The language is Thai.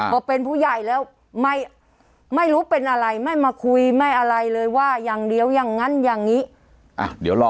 พอเป็นผู้ใหญ่แล้วไม่รู้เป็นอะไรไม่มาคุยไม่อะไรเลยว่าอย่างเดียวอย่างนั้นอย่างนี้เดี๋ยวรอ